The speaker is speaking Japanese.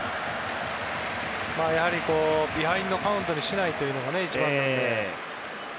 やはりビハインドカウントにしないのが一番なので。